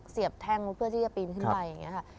เสียบแท่งรถเพื่อที่จะปีนขึ้นไปอย่างนี้ค่ะ